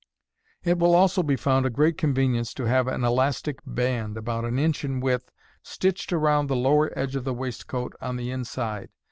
It will also be found a great convenience to have an elastic band, about an inch in width, stitched around the lower edge of the waistcoat on the inside.